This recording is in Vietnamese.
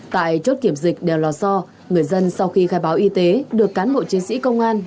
tại chốt kiểm dịch đèo lò so người dân sau khi khai báo y tế được cán bộ chiến sĩ công an